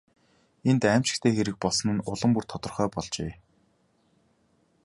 Энд аймшигт хэрэг болсон нь улам бүр тодорхой болжээ.